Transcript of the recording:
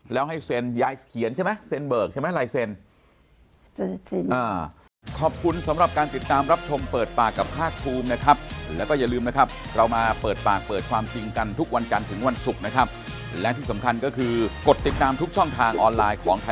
แล้วให้เซ็นยายเขียนใช่ไหมเซ็นเบิกใช่ไหมลายเซ็น